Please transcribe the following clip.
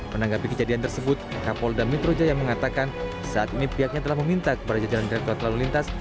menanggapi kejadian tersebut kapol damitroja yang mengatakan saat ini pihaknya telah meminta kepada jajaran direktur yang telah melintas